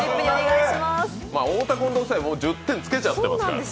太田・近藤夫妻はもう１０点つけちゃってますから。